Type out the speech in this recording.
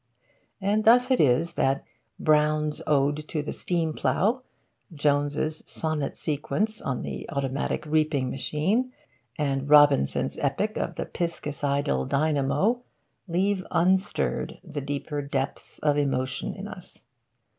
And thus it is that Brown's Ode to the Steam Plough, Jones' Sonnet Sequence on the Automatic Reaping Machine, and Robinson's Epic of the Piscicidal Dynamo, leave unstirred the deeper depths of emotion in us.